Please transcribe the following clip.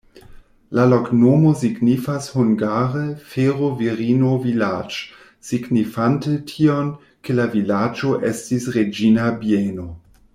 La loknomo signifas hungare: fero-virino-vilaĝ', signifante tion, ke la vilaĝo estis reĝina bieno.